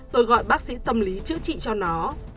tôi gọi bác sĩ tâm lý chữa trị cho nó